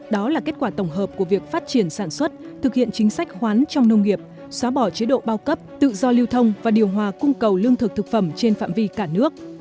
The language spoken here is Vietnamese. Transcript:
đó là kết quả tổng hợp của việc phát triển sản xuất thực hiện chính sách khoán trong nông nghiệp xóa bỏ chế độ bao cấp tự do lưu thông và điều hòa cung cầu lương thực thực phẩm trên phạm vi cả nước